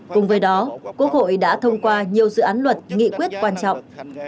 cùng với đó quốc hội đã thông qua nhiều dự án luật nghị quyết quan trọng